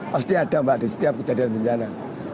pasti ada mbak di setiap kejadian bencana